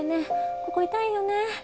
ここ痛いよね？